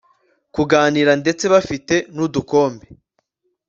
kuganira ndetse bafite nudukombe